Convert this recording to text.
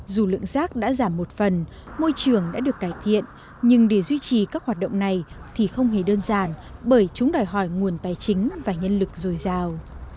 dù lượng rác đã giảm một phần môi trường đã được cải thiện nhưng để duy trì các hoạt động này thì không hề đơn giản bởi chúng đòi hỏi nguồn tài chính và nhân lực dồi dào